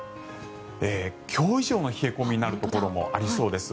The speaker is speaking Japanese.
今日以上の冷え込みになるところもありそうです。